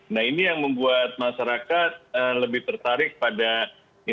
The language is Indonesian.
nah ini yang membuat masyarakat lebih tertarik pada ini